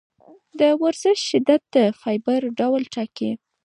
د ورزش شدت د فایبر ډول ټاکي.